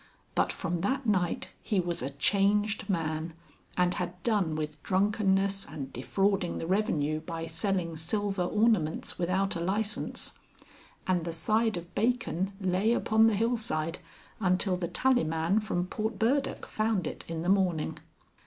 But from that night he was a changed man, and had done with drunkenness and defrauding the revenue by selling silver ornaments without a licence. And the side of bacon lay upon the hillside until the tallyman from Portburdock found it in the morning.